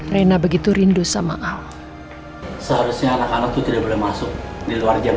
rena begitu rindu sama allah seharusnya anak anak itu tidak boleh masuk di luar jam